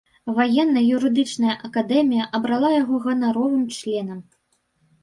Ваенна-юрыдычная акадэмія абрала яго ганаровым членам.